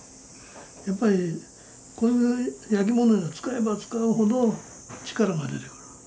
やっぱりこういう焼き物は使えば使うほど力が出てくるの。